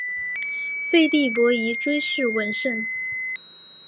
废帝溥仪追谥文慎。